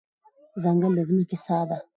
ځنګل د ځمکې ساه ده.